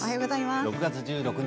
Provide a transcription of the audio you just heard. ６月１６日